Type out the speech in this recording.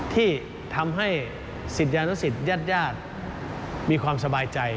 ที่ทำให้ศิษยานุศิษยาดมีความสบายใจ